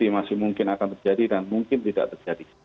masih mungkin akan terjadi dan mungkin tidak terjadi